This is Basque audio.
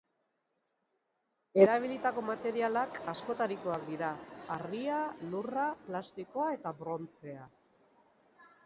Erabilitako materialak askotarikoak dira: harria, lurra, plastikoa eta brontzea.